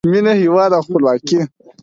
مینه، هیواد او خپلواکۍ